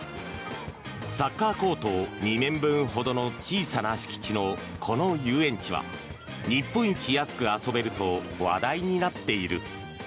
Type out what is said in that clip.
サッカーコート２面分ほどの小さな敷地のこの遊園地は日本一安く遊べると話題になっている。